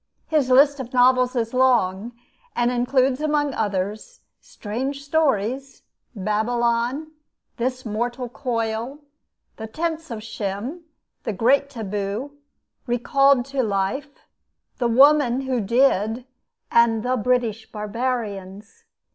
His list of novels is long, and includes among others, 'Strange Stories,' 'Babylon,' 'This Mortal Coil,' 'The Tents of Shem,' 'The Great Taboo,' 'Recalled to Life,' 'The Woman Who Did,' and 'The British Barbarians.'